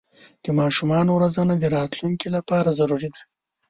د ماشومانو روزنه د راتلونکي لپاره ضروري ده.